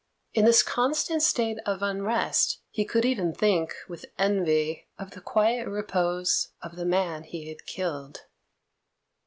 In this constant state of unrest he could even think with envy of the quiet repose of the man he had killed.